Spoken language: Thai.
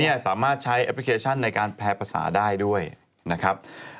เดี๋ยวนี้สามารถใช้แอปพลิเคชันในการแพ้ภาษาได้ด้วยนะครับ